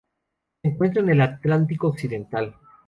Se encuentra en el Atlántico occidental.